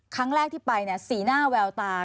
ครั้งแรกที่ไปสีหน้าแววตา